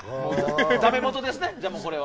ダメ元ですね、これは。